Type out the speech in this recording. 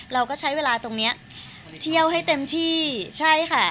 เราก็ใช้เวลาเที่ยวให้เต็มที่